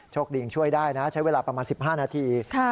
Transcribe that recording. โชคดีช่วยได้นะใช้เวลาประมาณ๑๕นาที